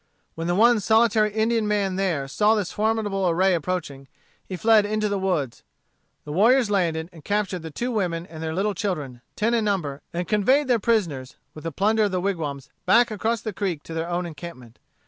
When the one solitary Indian man there saw this formidable array approaching he fled into the woods. The warriors landed, and captured the two women and the little children, ten in number, and conveyed their prisoners, with the plunder of the wigwams, back across the creek to their own encampment.